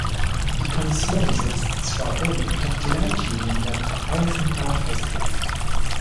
Die Kommission setzt zwar um, doch die Leitlinien werden vor allem vom Rat festgelegt.